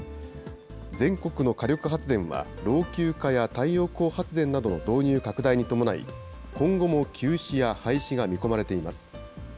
全国の火力発電は、老朽化や太陽光発電などの導入拡大に伴い、今後も休止や廃止が見込まれています。